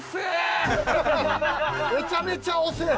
めちゃめちゃ遅え。